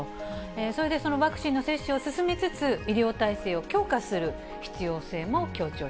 それでそのワクチンの接種を進めつつ、医療体制を強化する必要性